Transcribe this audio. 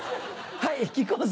はい。